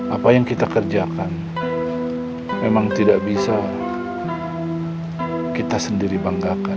apa yang kita kerjakan memang tidak bisa kita sendiri banggakan